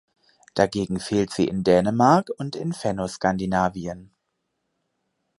Dagegen fehlt sie in Dänemark und in Fennoskandinavien.